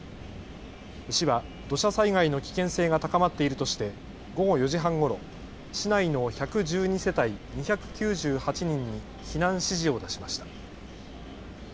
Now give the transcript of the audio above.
市は土砂災害の危険性が高まっているとして午後４時半ごろ、市内の１１２世帯２９８人に避難指示を出しました。